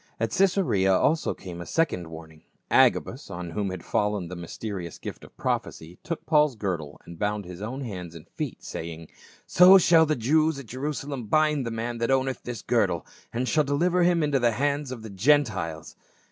At Caesarea also came a second warning ; Agabus, on whom had fallen the mysterious gift of prophecy, took Paul's girdle and bound his own hands and feet, say ing, " So shall the Jews at Jerusalem bind the man that owneth this girdle, and shall deliver him into the hands of the Gentiles."